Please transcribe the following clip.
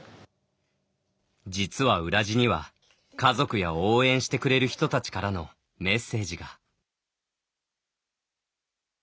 実は、裏地には家族や応援してくれる人たちからのメッセージが。